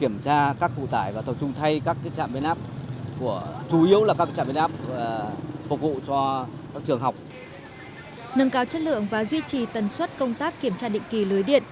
nâng cao chất lượng và duy trì tần suất công tác kiểm tra định kỳ lưới điện